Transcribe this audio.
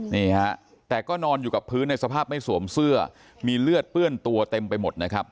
นี่ฮะแต่ก็นอนอยู่กับพื้นในสภาพไม่สวมเสื้อมีเลือดเปื้อนตัวเต็มไปหมดนะครับ